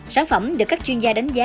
sản phẩm được các chuyên gia đánh giá